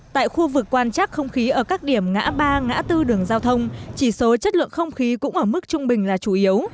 tại khu vực quan trắc không khí ở các điểm ngã ba ngã tư đường giao thông chỉ số chất lượng không khí cũng ở mức trung bình là chủ yếu